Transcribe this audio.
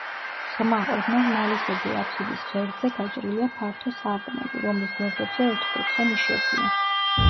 ღრმა, ოდნავ ნალისებრი აფსიდის ღერძზე გაჭრილია ფართო სარკმელი, რომლის გვერდებზე ოთხკუთხა ნიშებია.